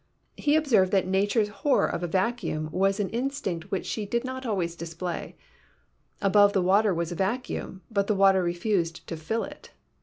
He observed that Nature's horror of a vacuum was an instinct which she did not always display. Above the water was a vacuum, but the water refused to fill it.